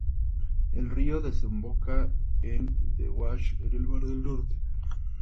El río desemboca en The Wash en el mar del Norte.